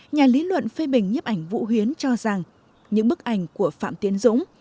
nhà lý luận phê bình nhấp ảnh vũ huyến cho rằng những bức ảnh của phạm tiến dũng